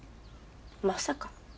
まさか。